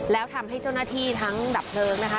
แล้วทำให้เจ้าหน้าที่ทั้งดับเพลิงนะคะ